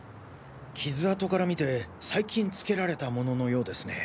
傷跡から見て最近つけられたもののようですね。